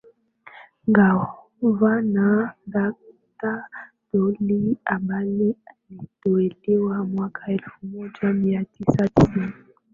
gavana dakta daudi ballali aliteuliwa mwaka elfu moja mia tisa tisini